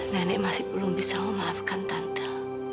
nenek masih belum bisa memaafkan tante